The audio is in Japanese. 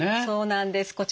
そうなんです。